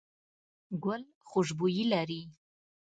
ګل خوشبويي لري.